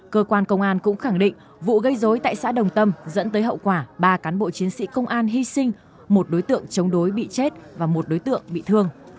cơ quan công an cũng khẳng định vụ gây dối tại xã đồng tâm dẫn tới hậu quả ba cán bộ chiến sĩ công an hy sinh một đối tượng chống đối bị chết và một đối tượng bị thương